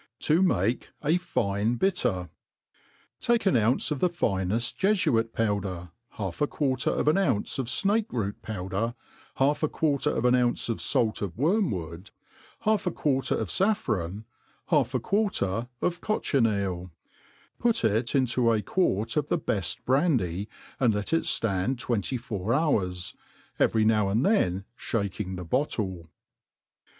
To make a fim BitOr. TAKE an ounce of the fineft Jefult powder, half a quarter of an ounce of fnake root powder, half a quarter of an ounce of fait of wormwood, half a quarter of faSron, half a quar ter of cochineal % put it into a quart of the beft brandy, and let it ftand twenty. four hours; every now and then fhaking the bottle.